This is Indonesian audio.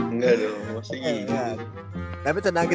enggak dong enggak dong masih gini